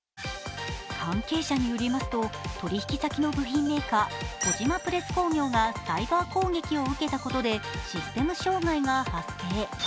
関係者によりますと取引先の部品メーカー小島プレス工業がサイバー攻撃を受けたことでシステム障害が発生。